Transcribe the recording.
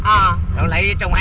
ờ đúng rồi